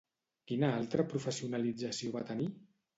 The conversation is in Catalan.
Quina altra professionalització va tenir?